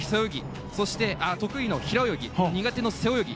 得意の平泳ぎ、苦手の背泳ぎ。